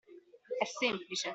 È semplice.